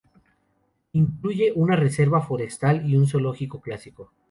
Incluye una reserva forestal y un zoológico clásico.